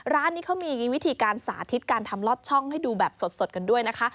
ร้านนี้เขามีวิธีการสาธิตการทำลอดช่องให้ดูแบบสดกันด้วยนะคะ